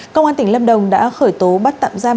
công an tỉnh lâm đồng đã khởi tố bắt tạm giam